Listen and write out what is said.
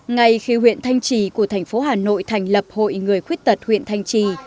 ngay khi huyện thanh trì của thành phố hà nội thành lập hội người khuyết tật huyện thanh trì